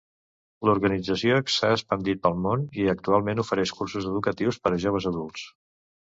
L'organització s'ha expandit pel món i actualment ofereix cursos educatius per a joves adults.